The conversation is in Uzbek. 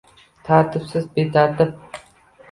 Tartibsiz - betartib